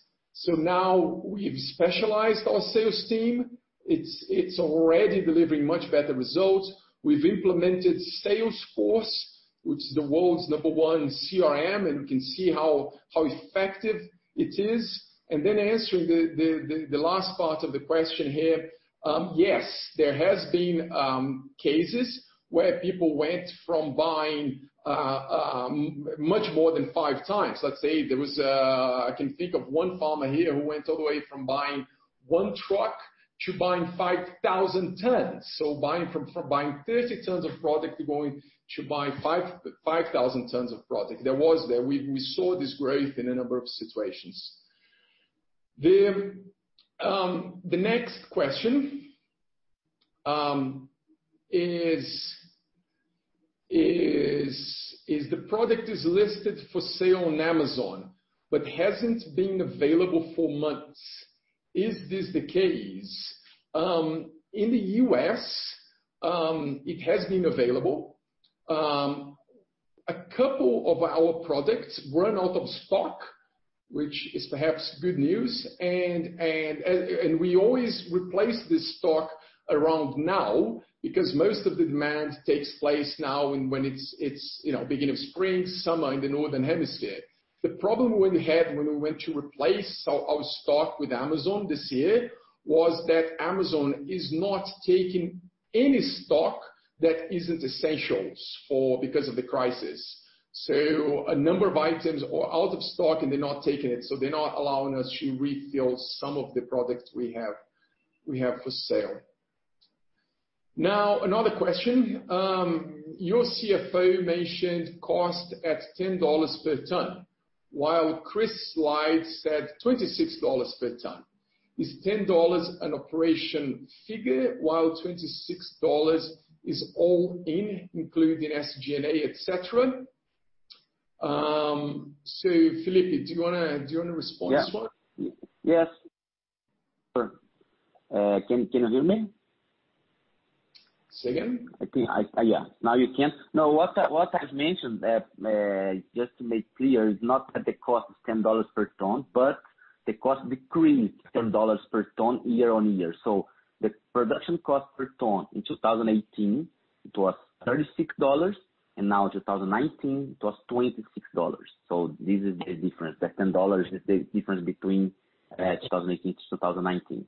Now we've specialized our sales team. It's already delivering much better results. We've implemented Salesforce, which is the world's number one CRM, and we can see how effective it is. Answering the last part of the question here. Yes, there has been cases where people went from buying much more than five times. Let's say I can think of one farmer here who went all the way from buying one truck to buying 5,000 tons. Buying 30 tons of product, going to buying 5,000 tons of product. That was there. We saw this growth in a number of situations. The next question. Is the product listed for sale on Amazon but hasn't been available for months? Is this the case? In the U.S., it has been available. A couple of our products run out of stock, which is perhaps good news, and we always replace this stock around now because most of the demand takes place now when it's beginning of spring, summer in the northern hemisphere. The problem we had when we went to replace our stock with Amazon this year was that Amazon is not taking any stock that isn't essential because of the crisis. A number of items are out of stock, and they're not taking it, they're not allowing us to refill some of the products we have for sale. Another question. Your CFO mentioned cost at 10 dollars per ton, while Chris said 26 dollars per ton. Is 10 dollars an operation figure while 26 dollars is all in, including SG&A, et cetera? Felipe, do you want to respond to this one? Yes. Sure. Can you hear me? Say again. Now you can. What I've mentioned, just to make clear, is not that the cost is 10 dollars per ton, but the cost decreased 10 dollars per ton year-over-year. The production cost per ton in 2018, it was 36 dollars, and now 2019, it was 26 dollars. This is the difference. The 10 dollars is the difference between 2018-2019.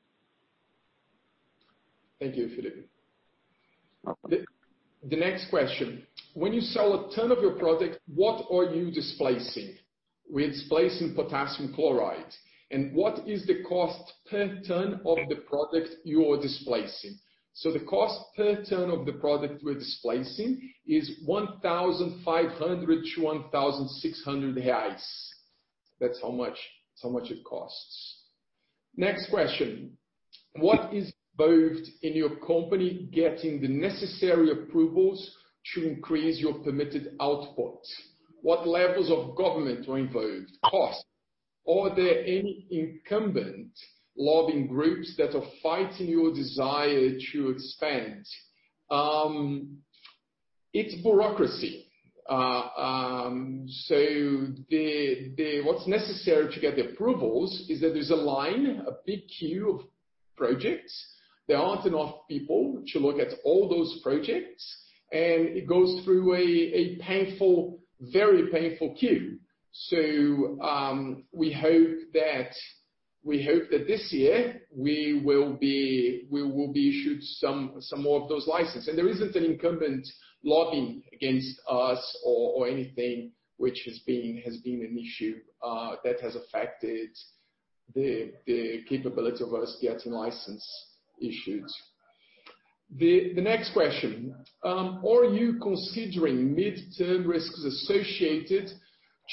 Thank you, Felipe. No problem. The next question. When you sell a ton of your product, what are you displacing? We're displacing potassium chloride. What is the cost per ton of the product you are displacing? The cost per ton of the product we're displacing is 1,500-1,600 reais. That's how much it costs. Next question. What is involved in your company getting the necessary approvals to increase your permitted output? What levels of government are involved? Cost. Are there any incumbent lobbying groups that are fighting your desire to expand? It's bureaucracy. What's necessary to get the approvals is that there's a line, a big queue of projects. There aren't enough people to look at all those projects, and it goes through a very painful queue. We hope that this year we will be issued some more of those licenses. There isn't an incumbent lobbying against us or anything which has been an issue that has affected the capability of us getting license issues. The next question. Are you considering midterm risks associated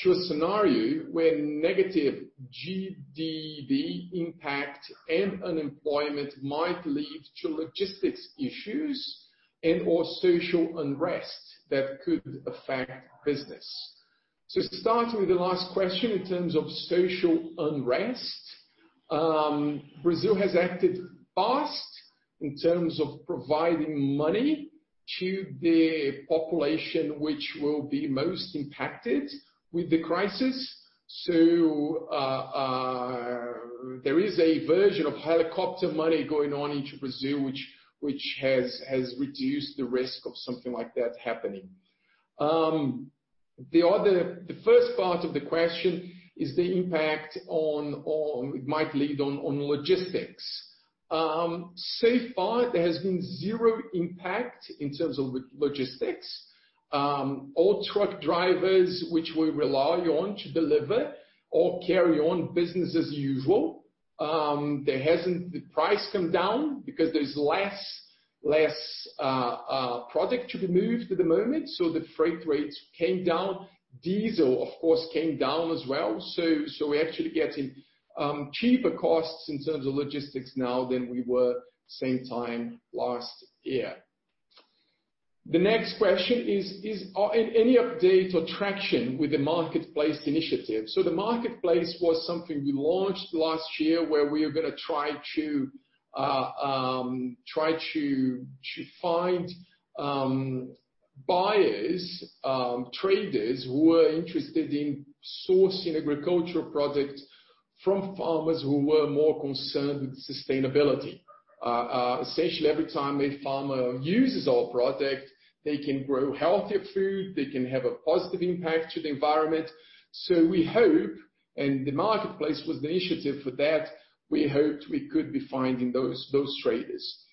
to a scenario where negative GDP impact and unemployment might lead to logistics issues and/or social unrest that could affect business? Starting with the last question in terms of social unrest. Brazil has acted fast in terms of providing money to the population which will be most impacted with the crisis. There is a version of helicopter money going on into Brazil, which has reduced the risk of something like that happening. The first part of the question is the impact it might lead on logistics. Far there has been zero impact in terms of logistics. All truck drivers, which we rely on to deliver or carry on business as usual, the price came down because there's less product to be moved at the moment. The freight rates came down. Diesel, of course, came down as well. We're actually getting cheaper costs in terms of logistics now than we were same time last year. The next question. Is any update or traction with the Marketplace Initiative? The Marketplace was something we launched last year where we are going to try to find buyers, traders who were interested in sourcing agricultural products from farmers who were more concerned with sustainability. Essentially, every time a farmer uses our product, they can grow healthier food, they can have a positive impact to the environment. We hope, and the Marketplace was the initiative for that, we hoped we could be finding those traders.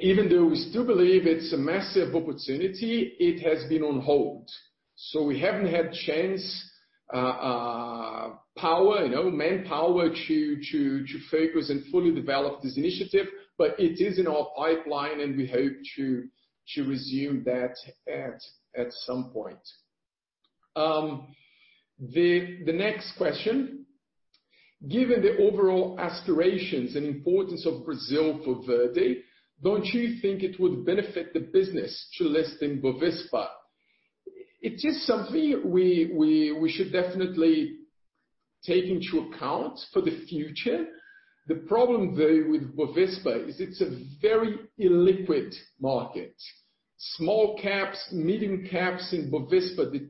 Even though we still believe it's a massive opportunity, it has been on hold. We haven't had chance, power, manpower to focus and fully develop this initiative, but it is in our pipeline and we hope to resume that at some point. The next question. Given the overall aspirations and importance of Brazil for Verde, don't you think it would benefit the business to list in Bovespa? It is something we should definitely take into account for the future. The problem, though, with Bovespa is it's a very illiquid market. Small caps, medium caps in Bovespa, the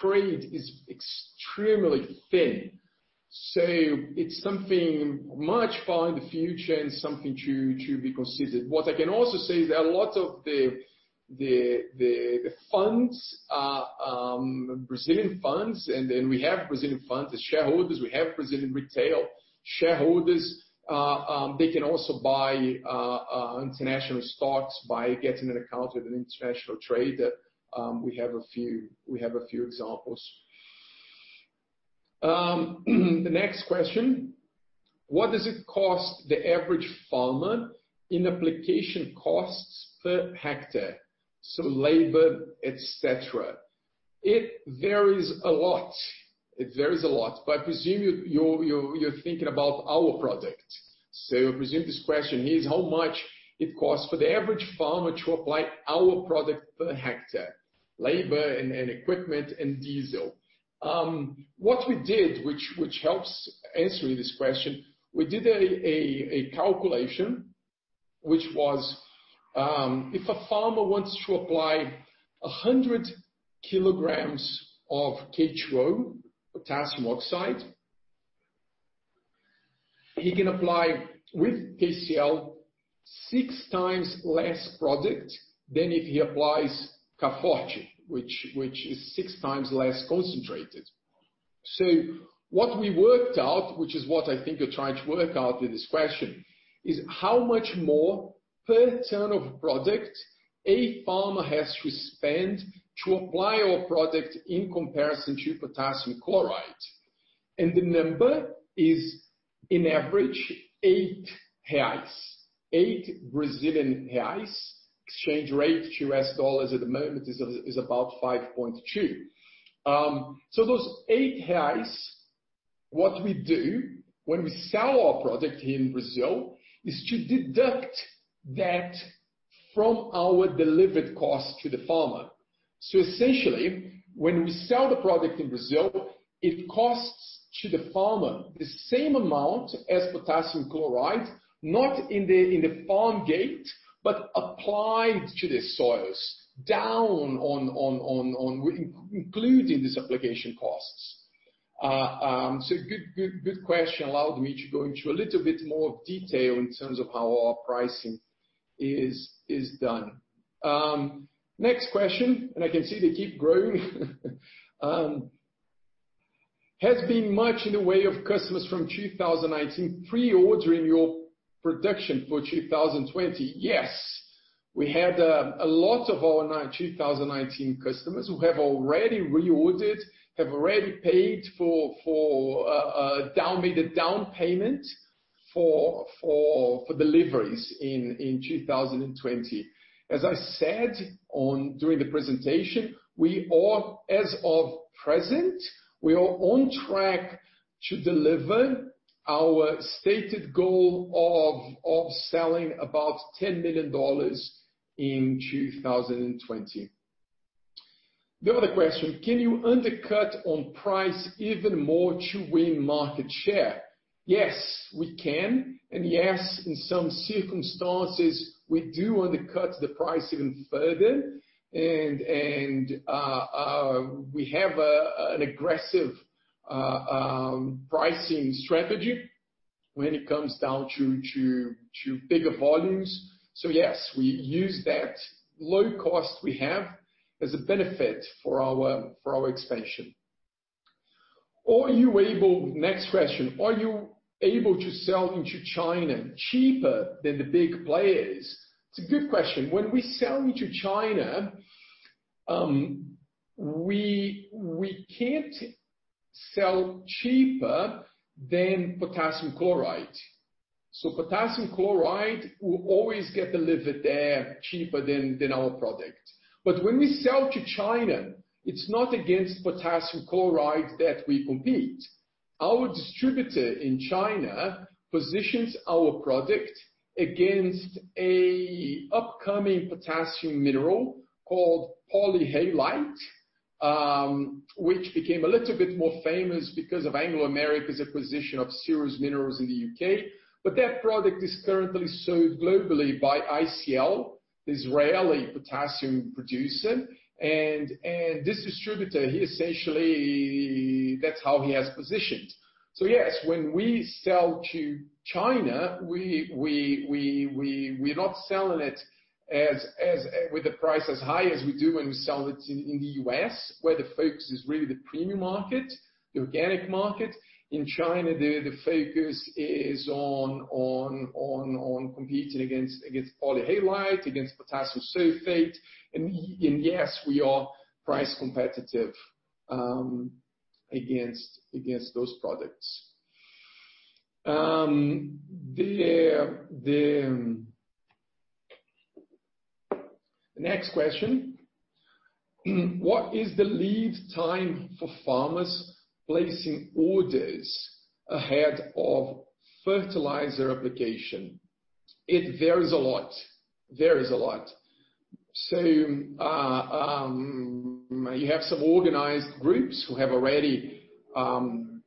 trade is extremely thin. It's something much far in the future and something to be considered. What I can also say is that a lot of the Brazilian funds, and we have Brazilian funds as shareholders, we have Brazilian retail shareholders. They can also buy international stocks by getting an account with an international trader. We have a few examples. The next question. What does it cost the average farmer in application costs per hectare, labor, et cetera? It varies a lot. I presume you're thinking about our product. I presume this question is how much it costs for the average farmer to apply our product per hectare, labor and equipment and diesel. What we did, which helps answering this question, we did a calculation, which was, if a farmer wants to apply 100 kg of K₂O, potassium oxide, he can apply with KCl six times less product than if he applies K Forte, which is six times less concentrated. What we worked out, which is what I think you're trying to work out with this question, is how much more per ton of product a farmer has to spend to apply our product in comparison to potassium chloride. The number is in average 8 reais. 8 Brazilian reais. Exchange rate to U.S. dollars at the moment is about 5.2. Those 8, what we do when we sell our product here in Brazil is to deduct that from our delivered cost to the farmer. Essentially when we sell the product in Brazil, it costs to the farmer the same amount as potassium chloride, not in the farm gate, but applied to the soils down on including these application costs. Good question. Allowed me to go into a little bit more detail in terms of how our pricing is done. Next question. I can see they keep growing. Has been much in the way of customers from 2019 pre-ordering your production for 2020? Yes. We had a lot of our 2019 customers who have already reordered, have already made a down payment for deliveries in 2020. As I said during the presentation, as of present, we are on track to deliver our stated goal of selling about 10 million dollars in 2020. The other question, can you undercut on price even more to win market share? Yes, we can and yes, in some circumstances we do undercut the price even further. We have an aggressive pricing strategy when it comes down to bigger volumes. Yes, we use that low cost we have as a benefit for our expansion. Next question. Are you able to sell into China cheaper than the big players? It's a good question. We can't sell into China cheaper than potassium chloride. Potassium chloride will always get delivered there cheaper than our product. When we sell to China, it's not against potassium chloride that we compete. Our distributor in China positions our product against an upcoming potassium mineral called polyhalite, which became a little bit more famous because of Anglo American's acquisition of Sirius Minerals in the U.K. That product is currently sold globally by ICL, the Israeli potassium producer. This distributor, essentially, that's how he has positioned. Yes, when we sell to China, we're not selling it with the price as high as we do when we sell it in the U.S., where the focus is really the premium market, the organic market. In China, the focus is on competing against polyhalite, against potassium sulfate. Yes, we are price competitive against those products. The next question. What is the lead time for farmers placing orders ahead of fertilizer application? It varies a lot. You have some organized groups who have already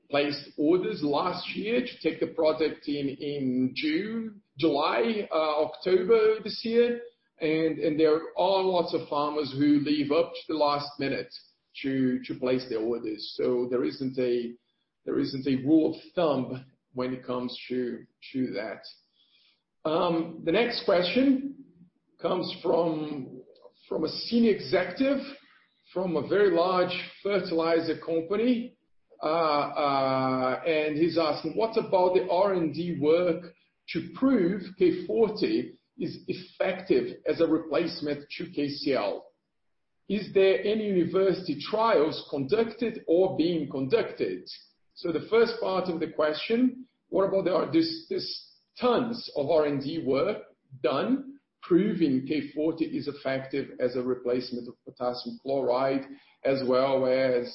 placed orders last year to take the product in June, July, October this year. There are lots of farmers who leave up to the last minute to place their orders. There isn't a rule of thumb when it comes to that. The next question comes from a Senior Executive from a very large Fertilizer company. He's asking, what about the R&D work to prove K Forte is effective as a replacement to KCl? Is there any university trials conducted or being conducted? The first part of the question, There's tons of R&D work done proving K Forte is effective as a replacement of potassium chloride, as well as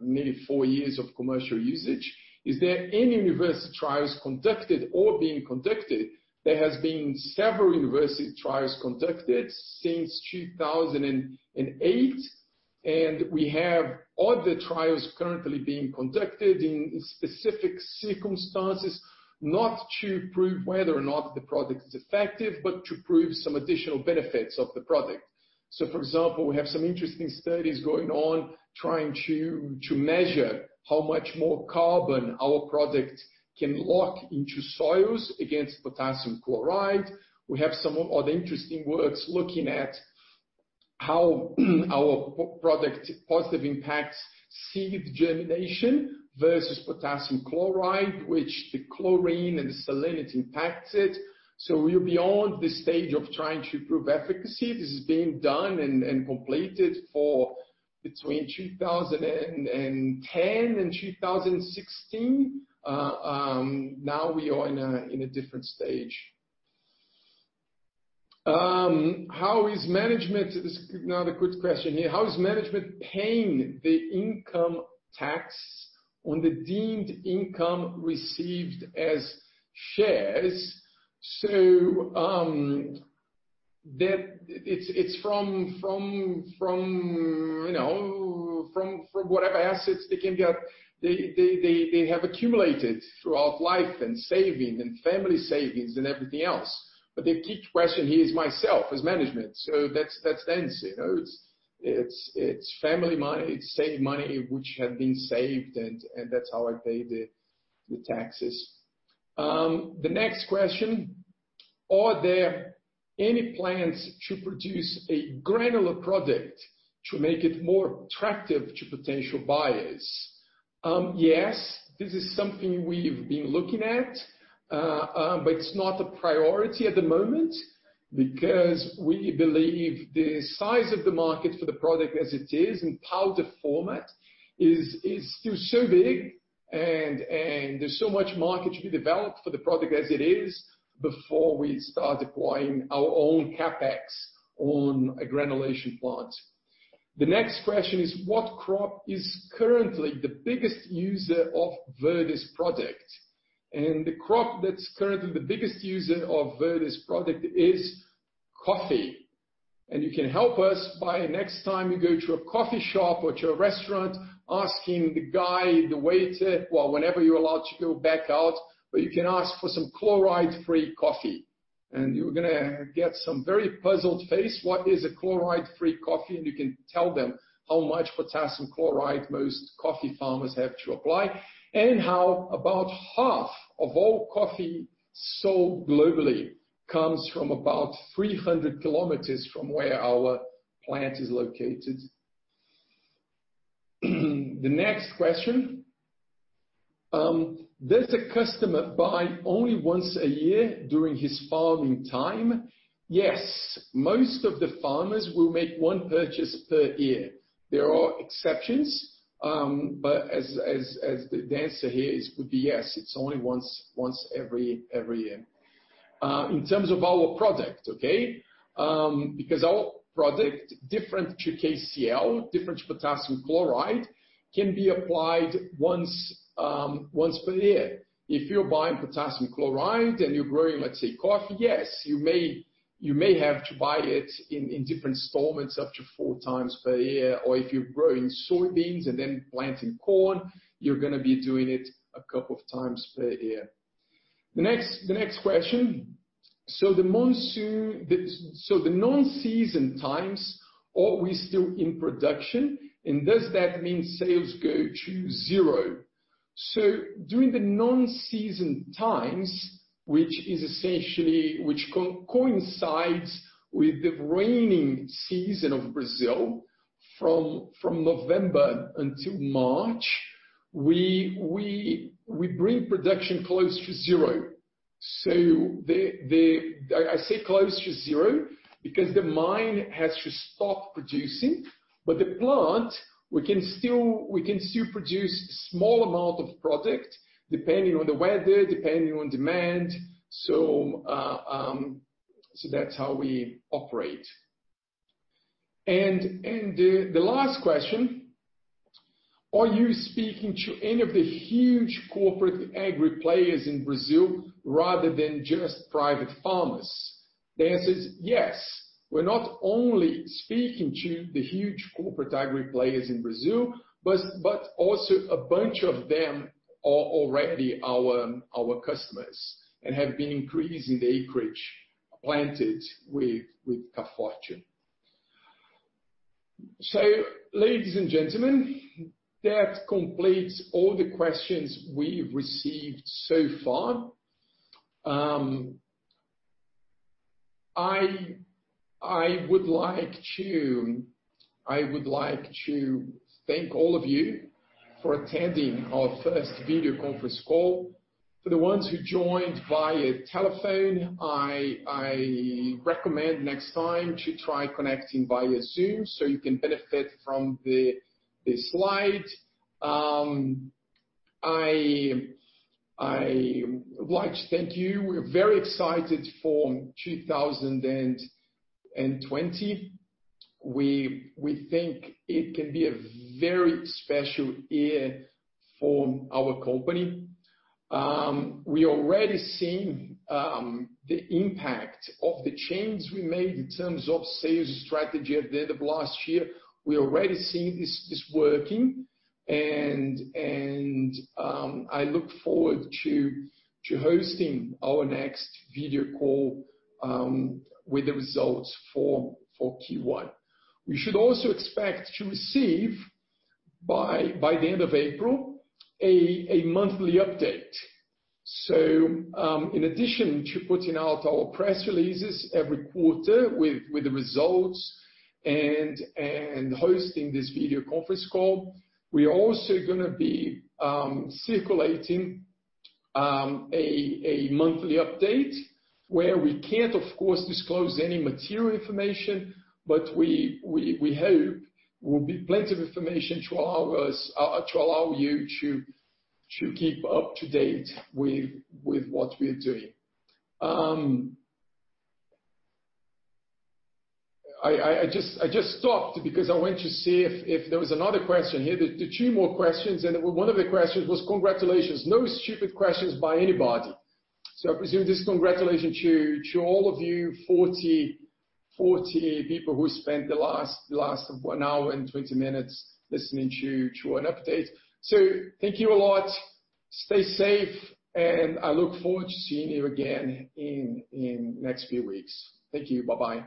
nearly four years of commercial usage. Is there any university trials conducted or being conducted? There has been several university trials conducted since 2008, and we have other trials currently being conducted in specific circumstances, not to prove whether or not the product is effective, but to prove some additional benefits of the product. For example, we have some interesting studies going on trying to measure how much more carbon our product can lock into soils against potassium chloride. We have some other interesting works looking at how our product positively impacts seed germination versus potassium chloride, which the chlorine and the salinity impacts it. We're beyond the stage of trying to prove efficacy. This is being done and completed for between 2010 and 2016. Now we are in a different stage. Another good question here. How is management paying the income tax on the deemed income received as shares? It's from whatever assets they have accumulated throughout life and saving and family savings and everything else. The key question here is myself as management. That's sense. It's family money. It's saved money, which had been saved, and that's how I pay the taxes. The next question. Are there any plans to produce a granular product to make it more attractive to potential buyers? Yes. This is something we've been looking at, but it's not a priority at the moment because we believe the size of the market for the product as it is in powder format is still so big, and there's so much market to be developed for the product as it is before we start acquiring our own CapEx on a granulation plant. The next question is. What crop is currently the biggest user of Verde's product? The crop that's currently the biggest user of Verde's product is coffee. You can help us by next time you go to a coffee shop or to a restaurant, asking the guy, the waiter, whenever you're allowed to go back out, you can ask for some chloride-free coffee, you're going to get some very puzzled face. What is a chloride-free coffee? You can tell them how much potassium chloride most coffee farmers have to apply how about half of all coffee sold globally comes from about 300 km from where our plant is located. The next question. Does a customer buy only once a year during his farming time? Yes. Most of the farmers will make one purchase per year. There are exceptions. As the answer here would be yes, it's only once every year. In terms of our product, okay? Our product, different to KCl, different to potassium chloride, can be applied once per year. If you're buying potassium chloride and you're growing, let's say, coffee, yes, you may have to buy it in different installments up to four times per year. If you're growing soybeans and then planting corn, you're going to be doing it a couple of times per year. The next question. The non-season times, are we still in production? Does that mean sales go to zero? During the non-season times, which coincides with the raining season of Brazil from November until March, we bring production close to zero. I say close to zero because the mine has to stop producing. The plant, we can still produce a small amount of product depending on the weather, depending on demand. That's how we operate. The last question. Are you speaking to any of the huge corporate agri players in Brazil rather than just private farmers? The answer is yes. We're not only speaking to the huge corporate agri players in Brazil, but also a bunch of them are already our customers and have been increasing the acreage planted with K Forte. Ladies and gentlemen, that completes all the questions we've received so far. I would like to thank all of you for attending our first video conference call. For the ones who joined via telephone, I recommend next time to try connecting via Zoom so you can benefit from the slide. I would like to thank you. We're very excited for 2020. We think it can be a very special year for our company. We already seen the impact of the changes we made in terms of sales strategy at the end of last year. We already see this working. I look forward to hosting our next video call with the results for Q1. We should also expect to receive, by the end of April, a monthly update. In addition to putting out our press releases every quarter with the results and hosting this video conference call, we're also going to be circulating a monthly update, where we can't, of course, disclose any material information, but we hope will be plenty of information to allow you to keep up-to-date with what we're doing. I just stopped because I went to see if there was another question here. The two more questions. One of the questions was congratulations. No stupid questions by anybody. I presume this is a congratulation to all of you 40 people who spent the last one hour and 20 minutes listening to an update. Thank you a lot. Stay safe, and I look forward to seeing you again in next few weeks. Thank you. Bye-bye.